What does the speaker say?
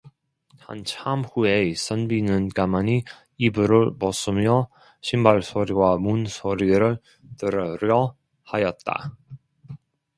한참 후에 선비는 가만히 이불을 벗으며 신발 소리와 문소리를 들으려 하였다.